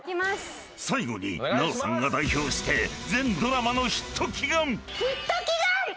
［最後に奈緒さんが代表して全ドラマのヒット祈願！］